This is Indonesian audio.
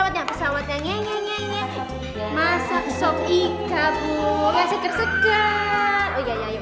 nih nanti ncy mikirin ya